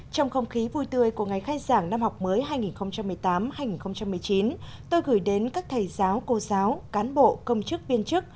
trong không khí vui tươi của ngày khai giảng năm học mới hai nghìn một mươi tám hai nghìn một mươi chín tôi gửi đến các thầy giáo cô giáo cán bộ công chức viên chức